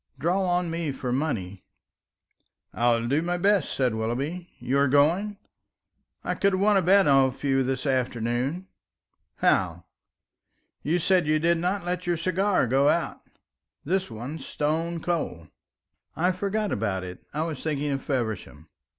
Draw on me for money." "I will do my best," said Willoughby. "You are going? I could have won a bet off you this afternoon." "How?" "You said that you did not let your cigars go out. This one's stone cold." "I forgot about it; I was thinking of Feversham.